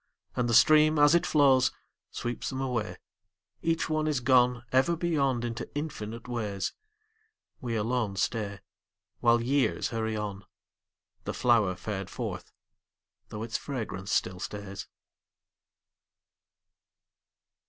And the stream as it flows Sweeps them away, Each one is gone Ever beyond into infinite ways. We alone stay While years hurry on, The flower fared forth, though its fragrance still stays.